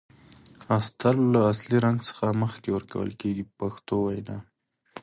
استر له اصلي رنګ څخه مخکې ورکول کیږي په پښتو وینا.